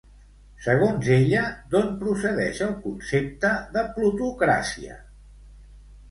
Segons ella, d'on procedeix el concepte de plutocràcia?